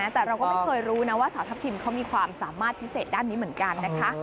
แต่เราก็ไม่เคยรู้นะว่าสาวทัพทิมเขามีความสามารถพิเศษด้านนี้เหมือนกันนะคะ